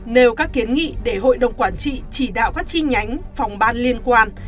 nêu các kiến nghị để hội đồng quản trị chỉ đạo các chi nhánh phòng ban liên quan